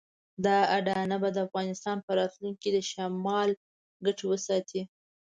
دا اډانه به د افغانستان په راتلونکي کې د شمال ګټې وساتي.